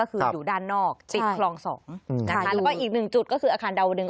ก็คืออยู่ด้านนอกติดคลอง๒นะคะแล้วก็อีกหนึ่งจุดก็คืออาคารดาวดึง